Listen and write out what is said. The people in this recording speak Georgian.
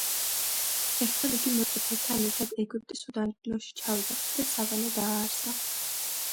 ერთხელ იგი მოწაფეებთან ერთად ეგვიპტის უდაბნოში ჩავიდა და სავანე დააარსა.